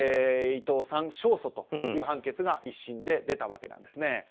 伊藤さん、勝訴という判決が１審で出たわけです。